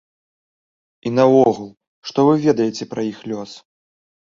І наогул, што вы ведаеце пра іх лёс?